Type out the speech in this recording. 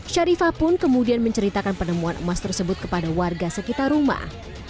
sharifah pun kemudian menceritakan penemuan emas tersebut kepada warga sekitar rumah